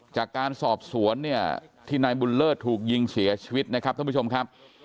จากการสอบสวนเนี่ยที่นายบุญเลิศถูกยิงเสียชีวิตนะครับท่านผู้ชมครับ